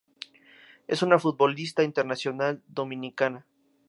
Es una futbolista internacional Dominicana.